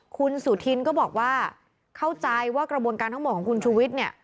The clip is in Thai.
คุณสุธินก็บอกว่าเข้าใจว่ากระบวนการทั้งหมดของคุณชูวิทย์เนี่ย